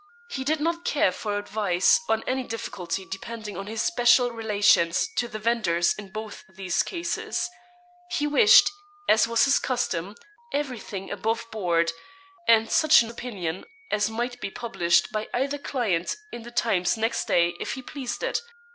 He did not care for advice on any difficulty depending on his special relations to the vendors in both these cases. He wished, as was his custom, everything above board, and such 'an opinion' as might be published by either client in the 'Times' next day if he pleased it.